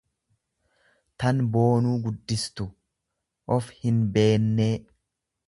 tan boonuu guddistu, of hinbeennee.